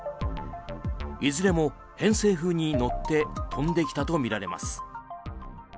いずれも偏西風に乗って飛んできたとみられます。